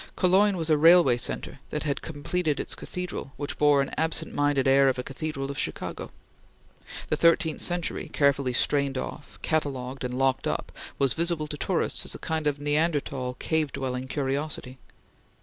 Cologne was a railway centre that had completed its cathedral which bore an absent minded air of a cathedral of Chicago. The thirteenth century, carefully strained off, catalogued, and locked up, was visible to tourists as a kind of Neanderthal, cave dwelling, curiosity.